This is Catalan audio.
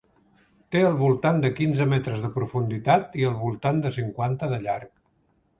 Té al voltant de quinze metres de profunditat i al voltant de cinquanta de llarg.